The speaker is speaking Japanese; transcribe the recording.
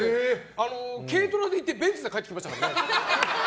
軽トラで行ってベンツで帰ってきましたからね。